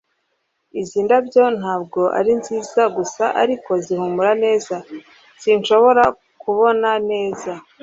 izi ndabyo ntabwo ari nziza gusa, ariko zihumura neza. sinshobora kubona neza